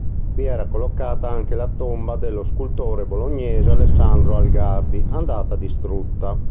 Qui era collocata anche la tomba dello scultore bolognese Alessandro Algardi, andata distrutta.